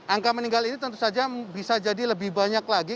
angka meninggal ini tentu saja bisa jadi lebih banyak lagi